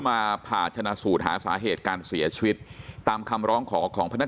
ผ่าชนะสูตรหาสาเหตุการเสียชีวิตตามคำร้องขอของพนัก